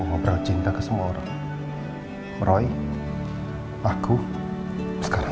gua gak akan biarin lino